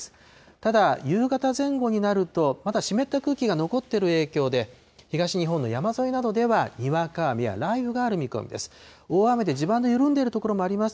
ただ、夕方前後になると、まだ湿った空気が残っている影響で、東日本の山沿いなどでは、にわか雨や雷雨がある見込みです。